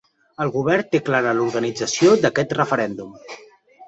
El govern té clara l’organització d’aquest referèndum.